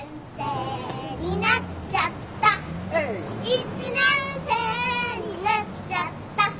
「一年生になっちゃった」